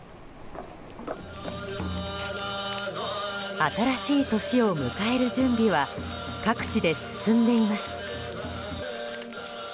新しい年を迎える準備は各地で進んでいます。